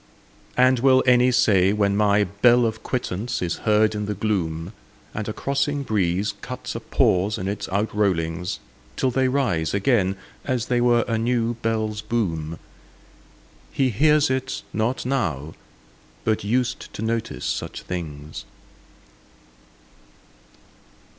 And will any say when my bell of quittance is heard in the gloom, And a crossing breeze cuts a pause in its outrollings, Till they rise again, as they were a new bell's boom, "He hears it not now, but used to notice such things"?